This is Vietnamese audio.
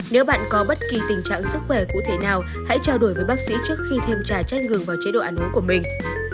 nếu bạn có bất kỳ tình trạng sức khỏe cụ thể nào hãy trao đổi với bác sĩ trước khi thêm trà trái ngược vào chế độ ăn uống của mình